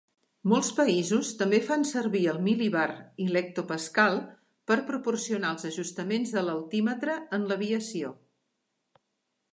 Molts països també fan servir el mil·libar i l'hectopascal per proporcionar els ajustaments de l'altímetre en l'aviació.